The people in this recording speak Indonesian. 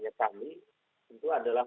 ini untuk membuktikan bahwa orang orang